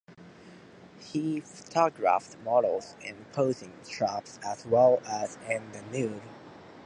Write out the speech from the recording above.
He photographed models in posing straps as well as in the nude.